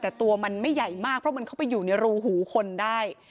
แต่ตัวมันไม่ใหญ่มากเพราะมันเข้าไปอยู่ในรูหูคนได้